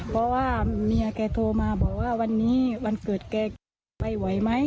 เพราะว่าเมียแกโทรมาบอกว่าวันนี้วันเกิดแกไปไหวไหม